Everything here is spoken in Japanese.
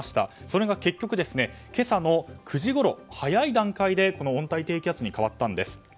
それが結局、今朝の９時ごろ早い段階で温帯低気圧に変わったんです。